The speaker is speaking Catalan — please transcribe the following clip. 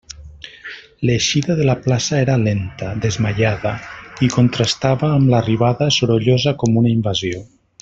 L'eixida de la plaça era lenta, desmaiada, i contrastava amb l'arribada, sorollosa com una invasió.